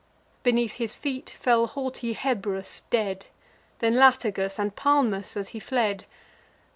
Beneath his feet fell haughty Hebrus dead, Then Latagus, and Palmus as he fled.